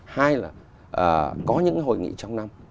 hai là có những hội nghị trong năm